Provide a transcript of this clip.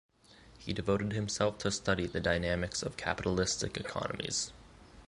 He devoted himself to study the dynamics of capitalistic economies.